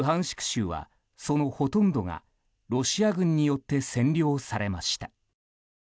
州はそのほとんどがロシア軍によって占領されました。